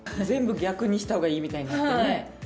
全部逆にしたほうがいいみたいになってね。